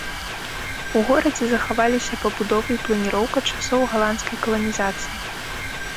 У горадзе захаваліся пабудовы і планіроўка часоў галандскай каланізацыі.